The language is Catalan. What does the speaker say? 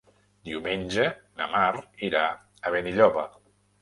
Diumenge na Mar irà a Benilloba.